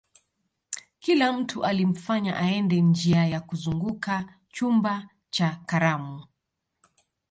kila mtu alimfanya aende njia ya kuzunguka chumba cha karamu